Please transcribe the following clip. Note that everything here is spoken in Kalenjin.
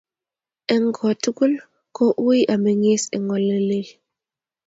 eng kotugul ko uiy amengis eng ole leel